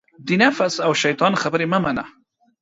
د نفس او دشیطان خبرې مه منه